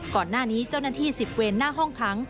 ก่อนหน้านี้เจ้าหน้าที่๑๐เวนหน้าห้องขัง